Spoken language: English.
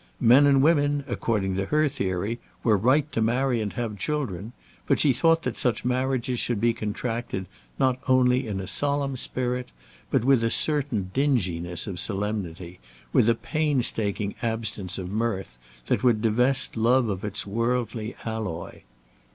Men and women, according to her theory, were right to marry and have children; but she thought that such marriages should be contracted not only in a solemn spirit, but with a certain dinginess of solemnity, with a painstaking absence of mirth, that would divest love of its worldly alloy.